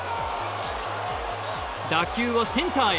打球はセンターへ。